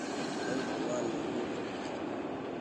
مئونٚ ڀگوآن مِلگو تو